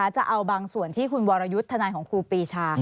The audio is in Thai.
จะเอาบางส่วนที่คุณวรยุทธ์ทนายของครูปีชา